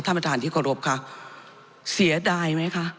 ท่านประธานที่เคารพค่ะเสียดายไหมคะ